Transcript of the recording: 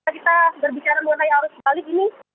kita berbicara mengenai arus balik ini